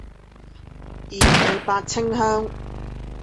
二二八清鄉